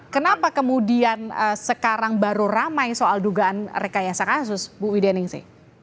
kenapa kemudian sekarang baru ramai soal dugaan rekayasa kasus bu wideningsi